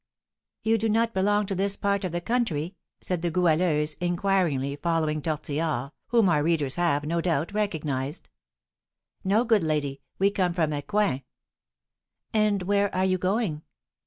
"You do not belong to this part of the country?" said the Goualeuse, inquiringly following Tortillard, whom our readers have, no doubt, recognised. "No, good lady, we came from Ecouen." "And where are you going?"